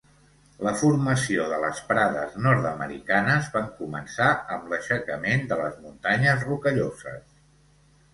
La formació de les prades nord-americanes van començar amb l'aixecament de les Muntanyes Rocalloses.